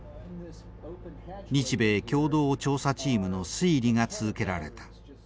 日米共同調査チームの推理が続けられた。